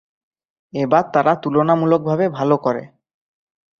এবার তারা তুলনামূলকভাবে ভালো করে।